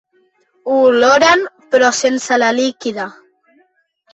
Ho oloren però sense la líquida.